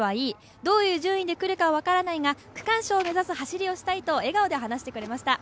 どういう順位で来るか分からないが区間賞を狙う走りをしたいと笑顔で話してくれました。